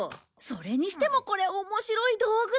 それにしてもこれ面白い道具だね。